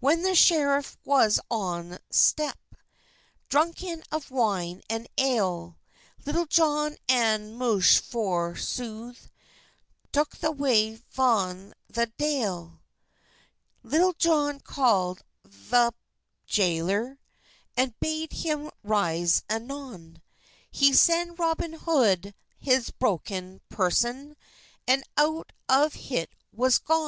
When the scheref was on slepe Dronken of wine and ale, Litul Johne and Moche for sothe Toke the way vnto the jale. Litul Johne callid vp the jayler, And bade him ryse anon; He seid Robyn Hode had brokyn preson, And out of hit was gon.